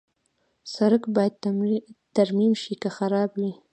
سړک باید ترمیم شي که خراب وي.